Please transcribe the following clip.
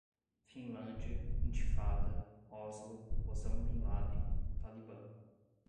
Finlândia, intifada, Oslo, Osama Bin Laden, Talibã